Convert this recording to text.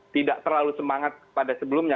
tidak terlalu semangat pada sebelumnya